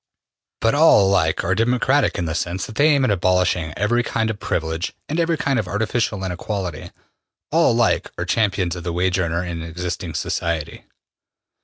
But all alike are democratic in the sense that they aim at abolishing every kind of privilege and every kind of artificial inequality: all alike are champions of the wage earner in existing society.